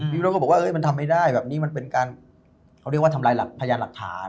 มีคนบอกว่ามันทำไม่ได้มันเป็นการทำลายพยานหลักฐาน